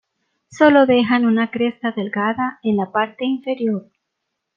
Sólo dejan una cresta delgada en la parte inferior.